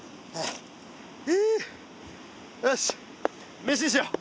よし飯にしよう。